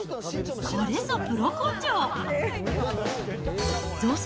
これぞプロ根性。